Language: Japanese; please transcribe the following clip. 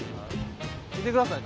見てください。